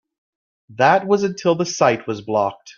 That was until the site was blocked.